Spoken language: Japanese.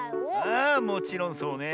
あもちろんそうね。